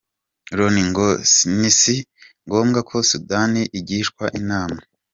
Loni ngo si ngombwa ko Sudani igishwa inama.